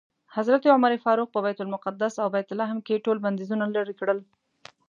حضرت عمر فاروق په بیت المقدس او بیت لحم کې ټول بندیزونه لرې کړل.